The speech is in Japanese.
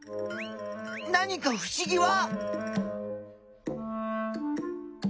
何かふしぎは？